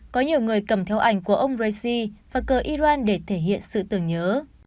có nhiều người cầm theo ảnh của ông raisi và cờ iran để thể hiện sự tưởng nhớ